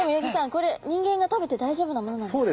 これ人間が食べて大丈夫なものなんですか？